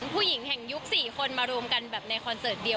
ผู้หญิงแห่งยุค๔คนมารวมกันแบบในคอนเสิร์ตเดียว